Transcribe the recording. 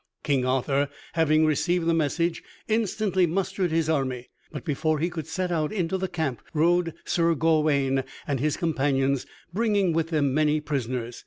King Arthur, having received the message, instantly mustered his army; but before he could set out, into the camp rode Sir Gawaine and his companions, bringing with them many prisoners.